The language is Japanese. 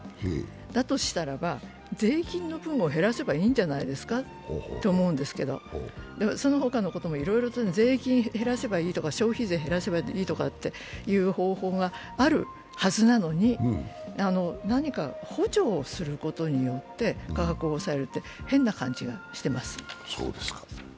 だとしたらば、税金の分を減らせばいいんじゃないですかって思うんですけど、そのほかのこともいろいろ、税金減らせばいいとか消費税減らせばいいという方法があるはずなのに、何か補助をすることによって価格を抑えるって変な感じがしてます。